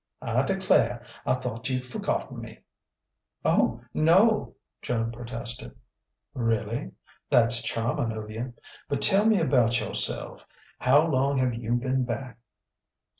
I declare, I thought you'd forgotten me!" "Oh, no!" Joan protested. "Really? That's charming of you. But tell me about yourself. How long have you been back?"